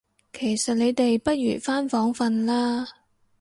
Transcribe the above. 其實你哋不如返房訓啦